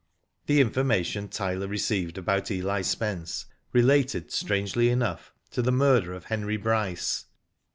The informatiou Tyler received about Eli Spence related, strangely enough, to the murder of Henry Bryce.